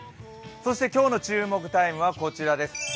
そして今日の注目タイムはこちらです。